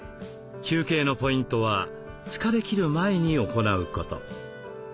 休憩のポイントは疲れきる前に行うこと。